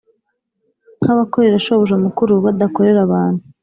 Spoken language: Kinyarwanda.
nk’abakorera Shobuja mukuru badakorera abantu